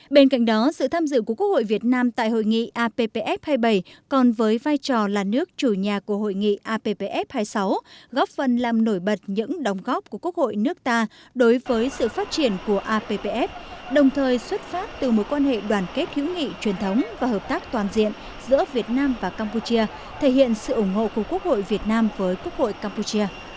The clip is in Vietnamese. bên cạnh đó sự tham dự của quốc hội việt nam tại hội nghị appf hai mươi bảy còn với vai trò là nước chủ nhà của hội nghị appf hai mươi sáu góp phần làm nổi bật những đồng góp của quốc hội nước ta đối với sự phát triển của appf đồng thời xuất phát từ một quan hệ đoàn kết hữu nghị truyền thống và hợp tác toàn diện giữa việt nam và campuchia thể hiện sự ủng hộ của quốc hội việt nam với quốc hội campuchia